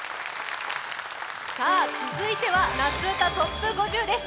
続いては夏うたＴＯＰ５０です。